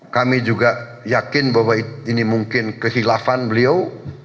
kami juga yakin bahwa ini mungkin kehilafan beliau